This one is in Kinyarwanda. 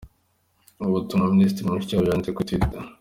Ubutumwa Minisitiri Mushikiwabo yanditse kuri Twitter.